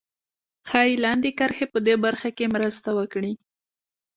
ښایي لاندې کرښې په دې برخه کې مرسته وکړي